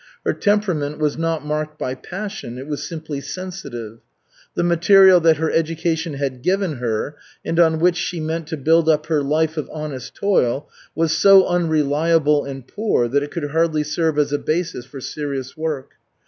Her temperament was not marked by passion, it was simply sensitive. The material that her education had given her and on which she meant to build up her life of honest toil was so unreliable and poor that it could hardly serve as a basis for serious work.